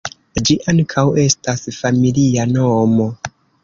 Ĝi ankaŭ estas familia nomo.